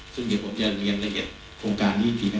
ซึ่งผมจะเรียนละเอียดโครงการนี้ได้